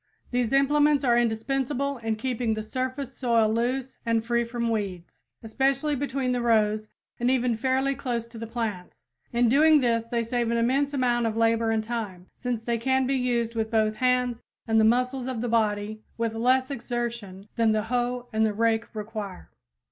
These implements are indispensable in keeping the surface soil loose and free from weeds, especially between the rows and even fairly close to the plants. In doing this they save an immense amount of labor and time, since they can be used with both hands and the muscles of the body with less exertion than the hoe and the rake require.